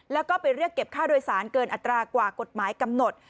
แล้วก็ไปเรียกเก็บค่าโดยสารเกินอัตรากว่ากฎหมายกำหนด